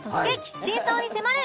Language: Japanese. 真相に迫る！